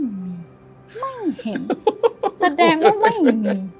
ไม่มีไม่เห็นแสดงว่าไม่มี